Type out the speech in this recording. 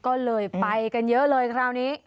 ก็เลยไปกันเยอะเลยคราวนี้